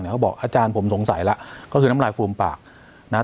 เขาบอกอาจารย์ผมสงสัยแล้วก็คือน้ำลายฟูมปากนะฮะ